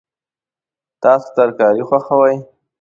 تاسو ترکاري خوښوئ؟